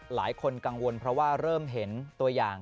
หลายคนกังวลเพราะว่าเริ่มเห็นตัวอย่าง